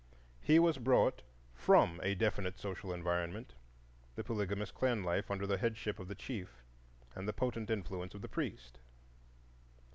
He was brought from a definite social environment,—the polygamous clan life under the headship of the chief and the potent influence of the priest.